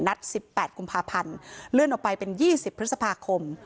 ๑๘กุมภาพันธ์เลื่อนออกไปเป็น๒๐พฤษภาคม